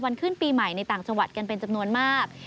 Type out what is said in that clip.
ขึ้นปีใหม่ในต่างจังหวัดกันเป็นจำนวนมาก